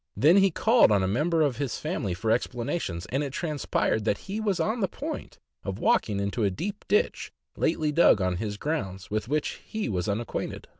Then he called on a member of his family for explanations, and it transpired that he was on the point of walking into a deep ditch lately dug on his grounds, with which he was unacquainted.